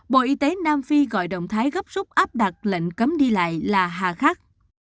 bộ y tế nam phi gọi động thái gấp rút áp đặt lệnh cấm đi lại là hà khắc